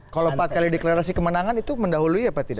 kalau empat kali deklarasi kemenangan itu mendahului apa tidak